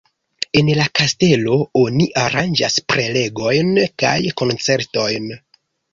En la kastelo oni aranĝas prelegojn kaj koncertojn.